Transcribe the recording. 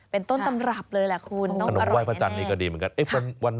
เป็นต้นตำรับเลยน้องอร่อยแน่ขนมไหว้พระจันทร์นี้ก็ดีเหมือนกัน